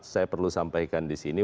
saya perlu sampaikan di sini